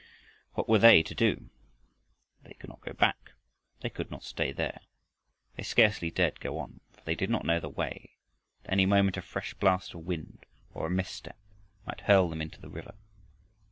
What were they to do? They could not go back. They could not stay there. They scarcely dared go on. For they did not know the way, and any moment a fresh blast of wind or a misstep might hurl them into the river.